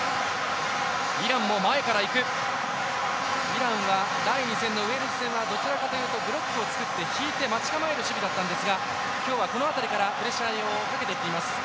イランは第２戦のウェールズ戦はどちらかというとブロックを作って、引いて待ち構える守備だったんですが今日はこの辺りからプレッシャーをかけてきています。